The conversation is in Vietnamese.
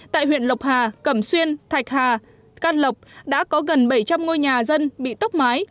tại huyện lộc hà cẩm xuyên thạch hà can lộc đã có gần bảy trăm linh ngôi nhà dân bị tốc mái